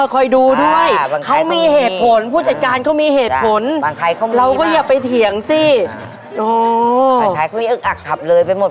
เขามีเหตุผลผู้จัดการเขามีเหตุผลเราก็อย่าไปเถียงสิโอ้โฮบางคนเขามีอึกอักขับเลยไปหมด